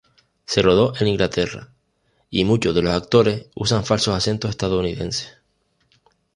Se rodó en Inglaterra, y muchos de los actores usan falsos acentos estadounidenses.